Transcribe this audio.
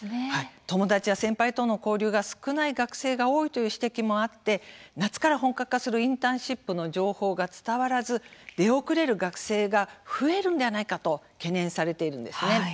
友達や先輩との交流が少ない学生が多いという指摘もあって夏から本格化するインターンシップの情報が伝わらず、出遅れる学生が増えるんではないかと懸念されているんですね。